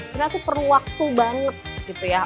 kita tuh perlu waktu banget gitu ya